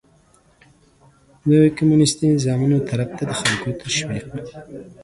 د کمونيستي نظامونو طرف ته د خلکو تشويق